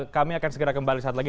kami akan segera kembali saat lagi